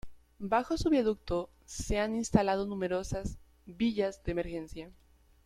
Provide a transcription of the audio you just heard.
Bajo su viaducto se han instalado numerosas "villas de emergencia".